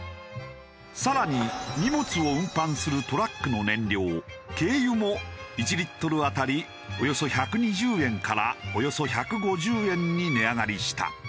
更に荷物を運搬するトラックの燃料軽油も１リットル当たりおよそ１２０円からおよそ１５０円に値上がりした。